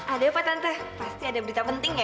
ada apa tante pasti ada berita penting ya